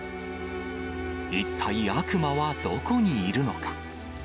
一体悪魔はどこにいるのか。